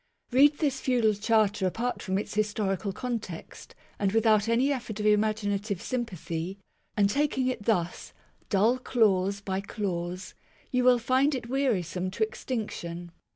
Read this feudal Charter apart from its historical context and without any effort of imaginative sympathy; and taking it thus, dull clause by clause, you will find it wearisome to extinction.